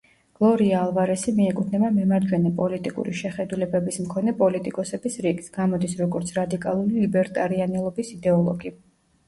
გლორია ალვარესი მიეკუთვნება მემარჯვენე პოლიტიკური შეხედულებების მქონე პოლიტიკოსების რიგს, გამოდის როგორც რადიკალური ლიბერტარიანელობის იდეოლოგი.